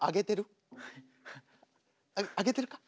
挙げてるか？